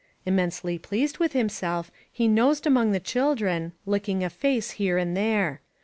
Immensely pleased with himself, he nosed among the children, licking a face here and there.